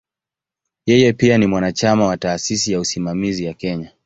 Yeye pia ni mwanachama wa "Taasisi ya Usimamizi ya Kenya".